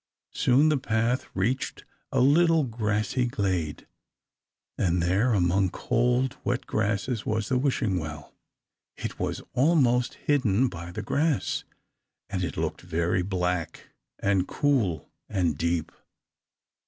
Soon the path reached a little grassy glade, and there among cold, wet grasses was the Wishing Well. It was almost hidden by the grass, and looked very black, and cool, and deep.